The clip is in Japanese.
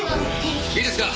いいですか？